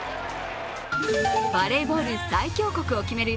バレーボール最強国を決める